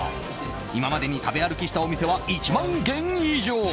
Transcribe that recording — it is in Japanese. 今までに食べ歩きしたお店は１万軒以上！